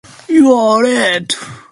You are a lad!